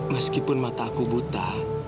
meskipun mata aku buta